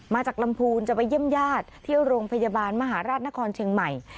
มาจากลำพูนจะไปเยี่ยมญาติที่โรงพยาบาลมหาราชนครเชียงใหม่